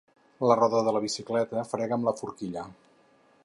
La roda de la bicicleta frega amb la forquilla.